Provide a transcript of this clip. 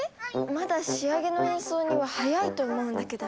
まだ仕上げの演奏には早いと思うんだけど。